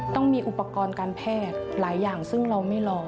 ต้องมีอุปกรณ์การแพทย์หลายอย่างซึ่งเราไม่รอ